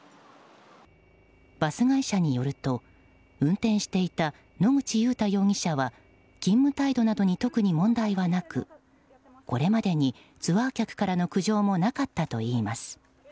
バス会社によると運転していた野口祐太容疑者は勤務態度などに特に問題はなくこれまでにツアー客からの苦情もなかったといいます。